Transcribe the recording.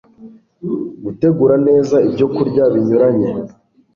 gutegura neza ibyokurya binyuranye